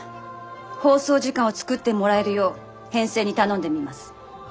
放送時間を作ってもらえるよう編成に頼んでみます。